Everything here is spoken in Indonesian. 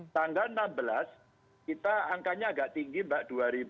tanggal enam belas kita angkanya agak tinggi mbak